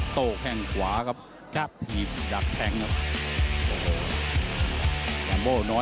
ตัวแค่ขวาครับ